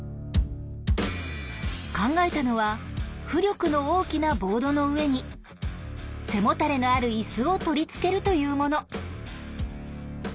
考えたのは浮力の大きなボードの上に背もたれのあるイスを取り付けるというもの。